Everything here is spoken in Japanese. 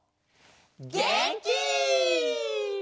げんき！